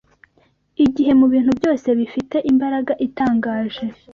igihe mu bintu byose bifite imbaraga itangaje